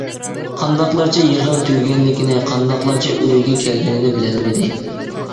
قانداقلارچە يىغىن تۈگىگەنلىكىنى، قانداقلارچە ئۆيىگە كەلگىنىنى بىلەلمىدى.